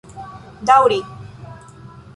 daŭri